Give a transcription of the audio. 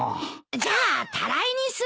じゃあタライにするよ。